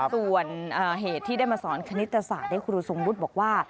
ส่วนเหตุที่ได้มาสอนคณิตศาสตร์ครูทรงวุฒิบอกว่า